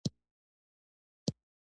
بزګر د خاورې له عطره خوند اخلي